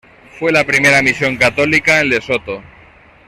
Fue la primera misión católica en Lesotho.